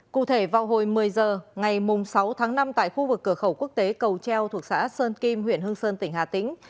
cụ thể vào hồi một mươi h ngày sáu tháng năm tại khu vực cửa khẩu quốc tế cầu treo thuộc xã sơn kim huyện hương sơn tỉnh hà tĩnh